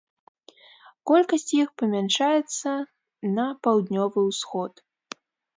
Колькасць іх памяншаецца на паўднёвы ўсход.